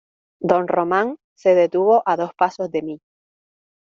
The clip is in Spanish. Don román se detuvo a dos pasos de mí.